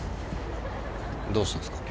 どうしたんですか？